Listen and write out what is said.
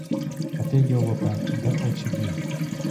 А ти йолопе, де очі дів?